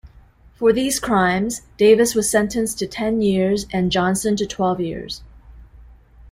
For these crimes, Davis was sentenced to ten years and Johnson to twelve years.